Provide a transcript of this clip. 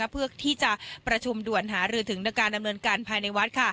เพื่อที่จะประชุมด่วนหารือถึงในการดำเนินการภายในวัด